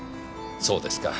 そうですか。